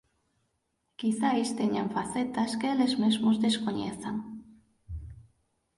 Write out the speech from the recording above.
Quizais teñan facetas que eles mesmos descoñezan.